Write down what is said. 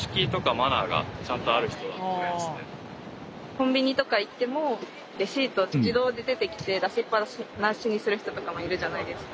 コンビニとか行ってもレシート自動で出てきて出しっぱなしにする人とかもいるじゃないですか。